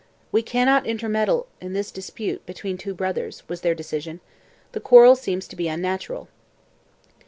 'We cannot intermeddle in this dispute between two brothers,' was their decision. 'The quarrel seems to be unnatural.'